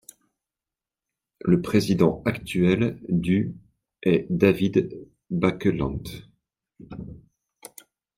Le président actuel du est David Baeckelandt.